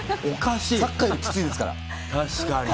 サッカーよりキツいですから。